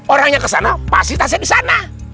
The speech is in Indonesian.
orangnya kesana pasti tasnya di sana